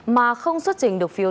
mà không xuất trình được phiếu